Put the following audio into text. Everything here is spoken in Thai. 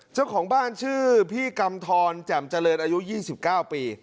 เจ้าของบ้านชื่อพี่กำธรจำเจริญอายุยี่สิบเก้าปี